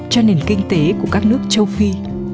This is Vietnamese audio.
cho nền kinh tế của các nước châu phi